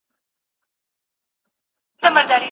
اوس درملني او علاج ته د خوړو او غذا غوندي اړتيا سته.